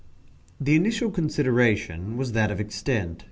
The initial consideration was that of extent.